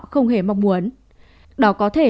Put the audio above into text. không hề mong muốn đó có thể